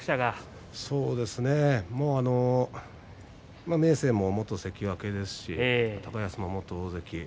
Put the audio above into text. そうですね、明生も元関脇ですし高安も元大関。